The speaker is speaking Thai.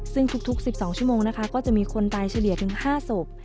ซึ่งทุก๑๒ชั่วโมงนะคะก็จะมีคนตายเฉลี่ยถึง๕ศพ